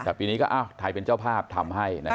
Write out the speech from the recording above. แต่ปีนี้ก็อ้าวถ่ายเป็นเจ้าภาพทำให้นะครับ